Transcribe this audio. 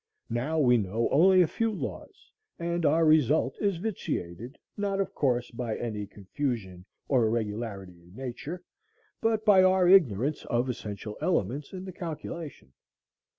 Now we know only a few laws, and our result is vitiated, not, of course, by any confusion or irregularity in Nature, but by our ignorance of essential elements in the calculation.